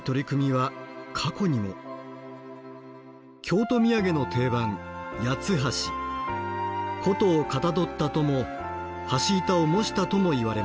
京都土産の定番琴をかたどったとも橋板を模したともいわれます。